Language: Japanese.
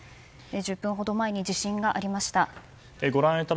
１０分ほど前に地震がありました。